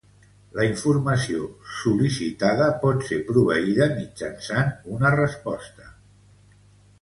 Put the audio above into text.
La informació sol·licitada pot ser proveïda mitjançant una resposta.